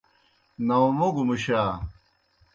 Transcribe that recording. ناؤں موگوْ مُشا۔